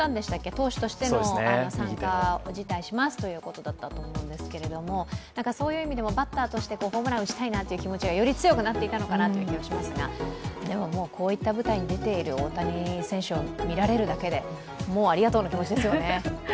投手としての参加を辞退しますということだったと思うんですが、そういう意味でもバッターとしてホームランを打ちたいなという気持ちがより強くなっていたのかなという気がしますが、でも、こういった舞台に出ている大谷選手を見られるだけでもう、ありがとうの気持ちですよね。